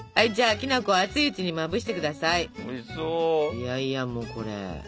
いやいやもうこれ。